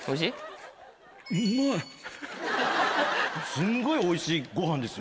すんごいおいしいご飯ですよ。